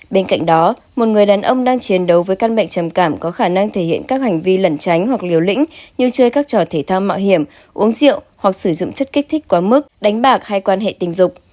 bên cạnh đó một người đàn ông đang chiến đấu với căn bệnh trầm cảm có khả năng thể hiện các hành vi lẩn tránh hoặc liều lĩnh như chơi các trò thể thao mạo hiểm uống rượu hoặc sử dụng chất kích thích quá mức đánh bạc hay quan hệ tình dục